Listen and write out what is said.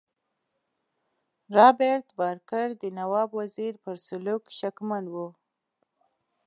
رابرټ بارکر د نواب وزیر پر سلوک شکمن وو.